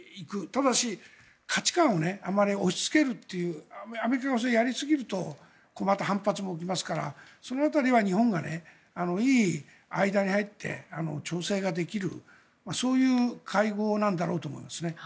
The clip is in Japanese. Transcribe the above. ただし、価値観をあまり押しつけるっていうアメリカがそれをやりすぎるとまた反発も起きますからその辺りは日本がいい間に入って調整ができるそういう会合なんだろうと思いますね。